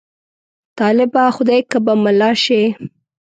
طالبه! خدای که به ملا شې.